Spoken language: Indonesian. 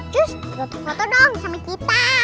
justus foto dong sama kita